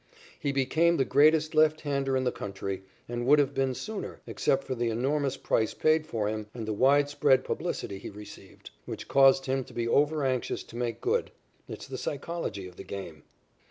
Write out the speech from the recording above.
He became the greatest lefthander in the country, and would have been sooner, except for the enormous price paid for him and the widespread publicity he received, which caused him to be over anxious to make good. It's the psychology of the game.